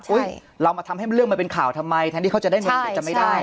เรามาทำให้เรื่องมันเป็นข่าวทำไมแทนที่เขาจะได้เงินหรือจะไม่ได้